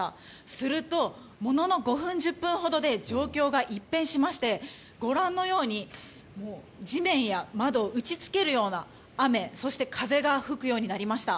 すると、ものの５分１０分ほどで状況が一変しましてご覧のように地面や窓を打ちつけるような雨そして風が吹くようになりました。